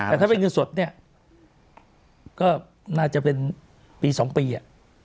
แต่ถ้าเป็นเงินสดเนี่ยก็น่าจะเป็นปี๒ปีอ่ะ